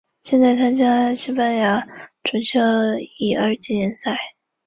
长蒴圆叶报春为报春花科报春花属下的一个种。